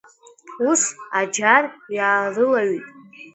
Ус аџьар иаарылаҩит…